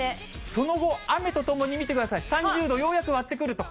その後雨とともに見てください、３０度、ようやく割ってくると。